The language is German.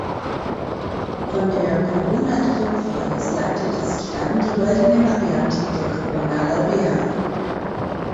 Von der "corona triumphalis" leitete sich dann die goldene Variante der "corona laurea" ab.